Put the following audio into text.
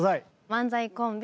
漫才コンビ